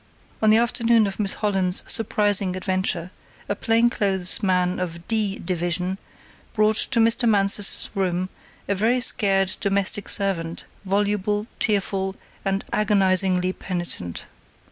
On the afternoon of Miss Holland's surprising adventure, a plainclothes man of "D" Division brought to Mr. Mansus's room a very scared domestic servant, voluble, tearful and agonizingly penitent.